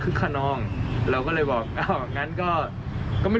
คุณธิชานุลภูริทัพธนกุลอายุ๓๔